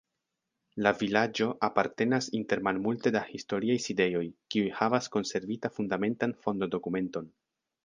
La vilaĝo apartenas inter malmulte da historiaj sidejoj, kiuj havas konservita fundamentan fondo-dokumenton.